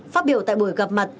phát biểu tại buổi gặp mặt